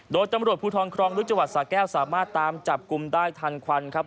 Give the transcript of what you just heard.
โดยตำรวจภูทรครองลึกจังหวัดสาแก้วสามารถตามจับกลุ่มได้ทันควันครับ